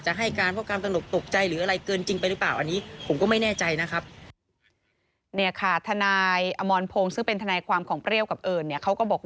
ที่สารยกฟ้องข้อหาค่าโดยไตรตรองเพราะว่าเปรี้ยวให้การแบบนี้ค่ะ